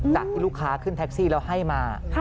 จากที่ลูกค้าขึ้นแท็กซี่แล้วให้มา